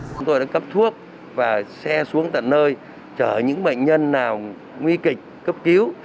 chúng tôi đã cấp thuốc và xe xuống tận nơi chở những bệnh nhân nào nguy kịch cấp cứu